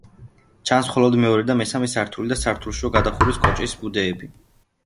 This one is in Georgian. ჩანს მხოლოდ მეორე და მესამე სართული და სართულშუა გადახურვის კოჭის ბუდეები.